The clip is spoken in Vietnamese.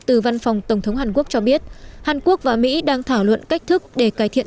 từ văn phòng tổng thống hàn quốc cho biết hàn quốc và mỹ đang thảo luận cách thức để cải thiện